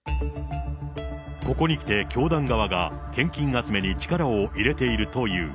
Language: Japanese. ここに来て、教団側が献金集めに力を入れているという。